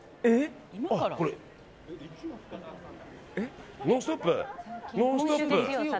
これ、「ノンストップ！」。